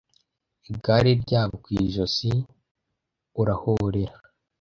Igare ryabo ku ijosi. Urahorera,